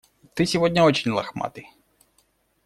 Ты сегодня очень лохматый.